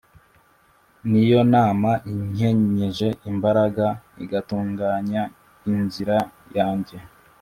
Niyo mana inkenyeje imbaraga, igatunganya inzira yange